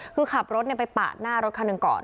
คือขับรถไปปาดหน้ารถคันหนึ่งก่อน